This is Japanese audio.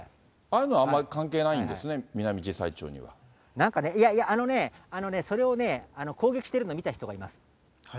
あんまり関係ないんですね、ミナなんかね、いやいや、それをね、攻撃してるの、見た人がいます。